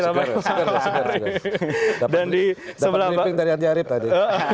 dapat briefing dari andi arief tadi